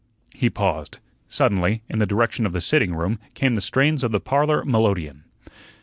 He paused. Suddenly, in the direction of the sitting room, came the strains of the parlor melodeon.